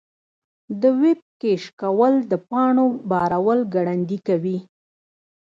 د ویب کیش کول د پاڼو بارول ګړندي کوي.